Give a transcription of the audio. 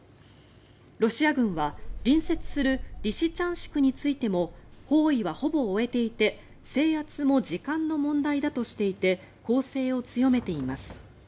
ロシア軍は、隣接するリシチャンシクについても包囲はほぼ終えていて制圧も時間の問題だとしていて攻勢を強めています。